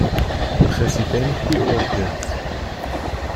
Präsident Georgiens.